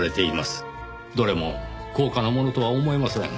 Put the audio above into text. どれも高価なものとは思えません。